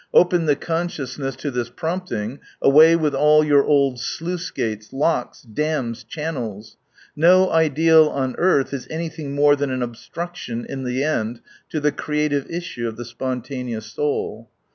Open the consciousness to this prompting, awny with all your old sluice gates, locks, dams, channels. No ideal on earth is anything more than an obstruction, in the end, to the creative issue of the, spontaneous, soul.